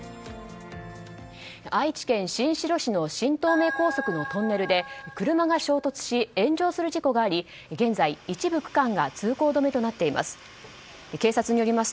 愛知県新城市の新東名高速のトンネルで車が衝突し、炎上する事故があり現在、一部区間が通行止めとなっています。